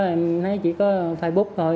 em thấy chỉ có facebook thôi